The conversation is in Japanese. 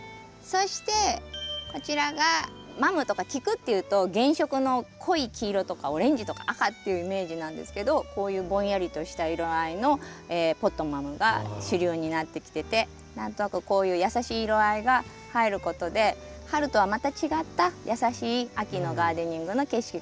そしてこちらがマムとかキクっていうと原色の濃い黄色とかオレンジとか赤っていうイメージなんですけどこういうぼんやりとした色合いのポットマムが主流になってきてて何となくこういう優しい色合いが入ることで春とはまた違った優しい秋のガーデニングの景色が作れるかなって思います。